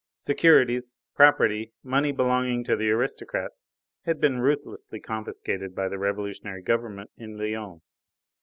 Securities, property, money belonging to aristocrats had been ruthlessly confiscated by the revolutionary government in Lyons.